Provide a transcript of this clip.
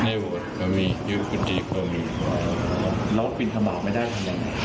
ในวัดก็มียุคคุณดีก็มีแล้วฟินธรรมะไม่ได้ทำยังไง